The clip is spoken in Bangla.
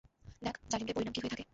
দেখ, জালিমদের পরিণাম কী হয়ে থাকে।